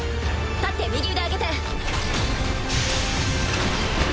立って右腕上げて。